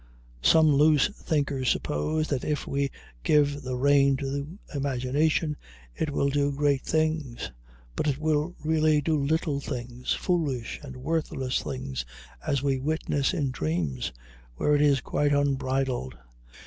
Some loose thinkers suppose that if we give the rein to imagination it will do great things, but it will really do little things, foolish and worthless things, as we witness in dreams, where it is quite unbridled.